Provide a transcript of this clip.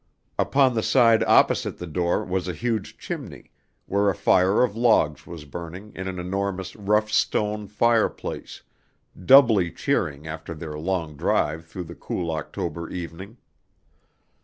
Upon the side opposite the door was a huge chimney, where a fire of logs was burning in an enormous rough stone fireplace, doubly cheering after their long drive through the cool October evening.